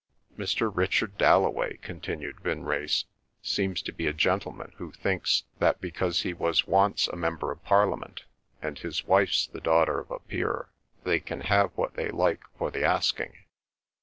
"Mr. Richard Dalloway," continued Vinrace, "seems to be a gentleman who thinks that because he was once a member of Parliament, and his wife's the daughter of a peer, they can have what they like for the asking.